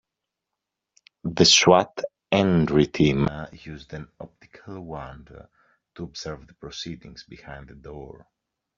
The S.W.A.T. entry team used an optical wand to observe the proceedings behind the door.